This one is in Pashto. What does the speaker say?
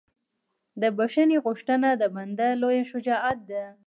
د بښنې غوښتنه د بنده لویه شجاعت ده.